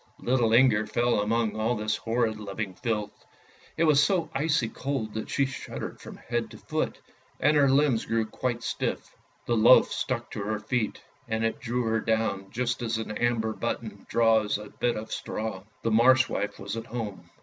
Little Inger fell among all this horrid living filth ; it was so icy cold that she shuddered from head to foot, and her limbs grew quite stiff. The loaf stuck fast to her feet, and it drew her down just as an amber button draws a bit of straw. The Marsh wife was at home.